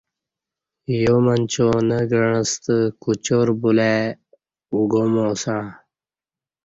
یامنچا نہ گعستہ کوچار بولہ ای او گعماسہ